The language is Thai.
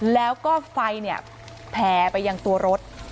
แล้วก็ไฟแผ่ไปยังตัวรถ